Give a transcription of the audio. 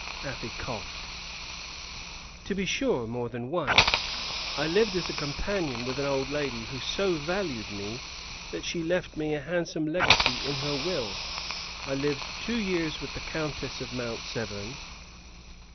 Afy coughed. "To be sure. More than one. I lived as companion with an old lady, who so valued me that she left me a handsome legacy in her will. I lived two years with the Countess of Mount Severn."